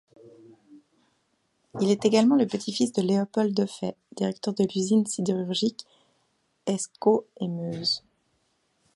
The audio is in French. Il est également le petit-fils de Léopold Defays, directeur de l'usine sidérurgique Escaut-et-Meuse.